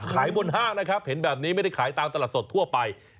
บนห้างนะครับเห็นแบบนี้ไม่ได้ขายตามตลาดสดทั่วไป